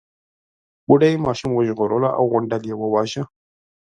بوډۍ ماشوم وژغورلو او غونډل يې وواژه.